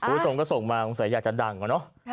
คุณส่งก็ส่งมาคงใส่อยากจะดังก็เนอะ